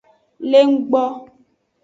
Lengbo.